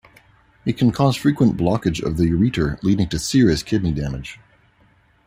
It can cause frequent blockage of the ureter leading to serious kidney damage.